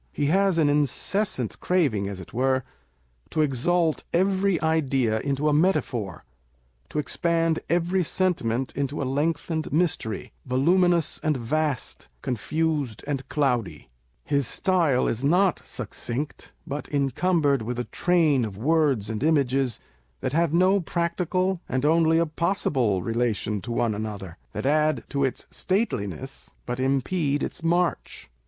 He has an incessant craving, as it were, to exalt every idea into a metaphor, to expand every sentiment into a lengthened mystery, voluminous and vast, confused and cloudy. His 16 On the Prose Style of Poets. > style is not succinct, but incumbered with a train of words and images that have no practical, and only a possible relation to one another â€" that add to its stateliness, but impede its march.